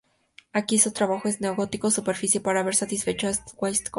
Aquí su trabajo es neo-gótico, suficiente para haber satisfecho a sir Walter Scott.